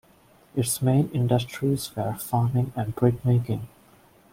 Its main industries were farming and brick-making.